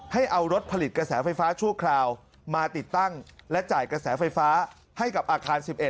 ให้เอารถผลิตกระแสไฟฟ้าชั่วคราวมาติดตั้งและจ่ายกระแสไฟฟ้าให้กับอาคาร๑๑